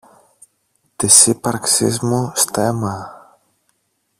της ύπαρξής μου στέμμα